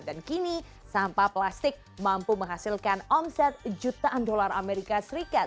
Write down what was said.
dan kini sampah plastik mampu menghasilkan omset jutaan dolar amerika serikat